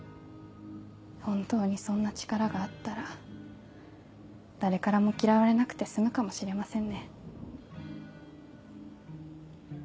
本当にそんな力があったら誰からも嫌われなくて済むかもしれませんね。